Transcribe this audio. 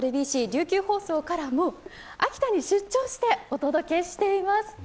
琉球放送からも秋田に出張してお届けしています。